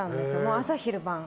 朝昼晩。